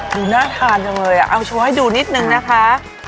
ดูหน้าทานจนเลยอ่ะเอาช่วงให้ดูนิดนึงนะคะ